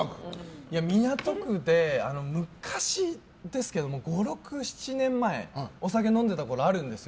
港区で昔ですけど５６、７年前お酒飲んでたころあるんですよ。